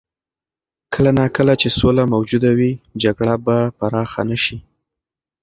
کله نا کله چې سوله موجوده وي، جګړه به پراخه نه شي.